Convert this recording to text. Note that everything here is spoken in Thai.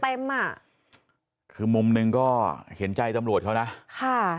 อ่ะคือมุมหนึ่งก็เห็นใจตำรวจเขานะค่ะ